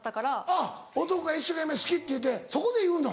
あっ男が一生懸命「好き」って言うてそこで言うの？